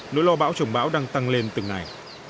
nỗi lo bão trồng bão đang tăng lên từng ngày